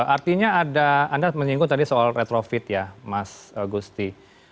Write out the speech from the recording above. artinya ada anda menyinggung tadi soal retrofit ya mas gusti